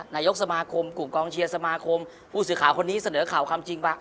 นายกสมาคมกลุ่มกองเชียร์สมาคมผู้สื่อข่าวคนนี้เสนอข่าวความจริงว่า